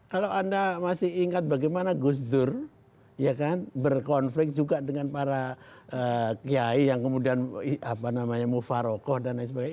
kalau anda masih ingat bagaimana gus dur berkonflik juga dengan para kiai yang kemudian mufarokoh dan lain sebagainya